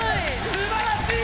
すばらしい！